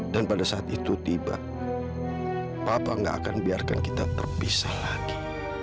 dan pada saat itu tiba bapak gak akan biarkan kita terpisah lagi